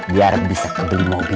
biar bisa kebun mobil